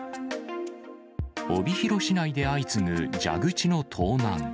帯広市内で相次ぐ蛇口の盗難。